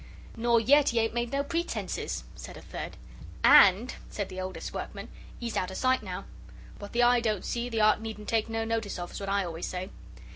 "Nor yet 'e ain't made no pretences," said a third. "And," said the oldest workman, "'e's outer sight now. What the eye don't see the 'art needn't take no notice of's what I always say."